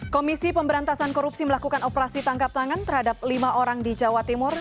komisi pemberantasan korupsi melakukan operasi tangkap tangan terhadap lima orang di jawa timur